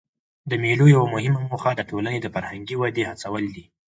د مېلو یوه مهمه موخه د ټولني د فرهنګي ودي هڅول دي.